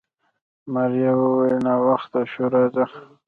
ماريا وويل ناوخته شو راځه.